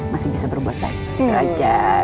masih bisa berbuat baik itu aja